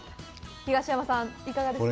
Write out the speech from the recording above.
東山さん、いかがですか。